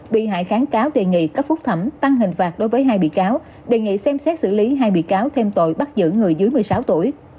bị hại kháng cáo đề nghị các phúc thẩm tăng hình phạt đối với hai bị cáo đề nghị xem xét xử lý hai bị cáo thêm tội bắt giữ người dưới một mươi sáu tuổi